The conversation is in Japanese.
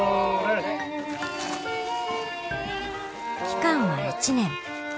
２１。期間は１年。